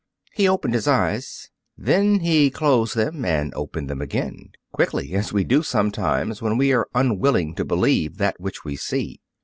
He opened his eyes. Then he closed them and opened them again, quickly, as we do, sometimes, when we are unwilling to believe that which we see.